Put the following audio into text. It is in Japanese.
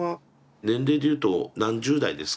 年齢でいうと何十代ですか？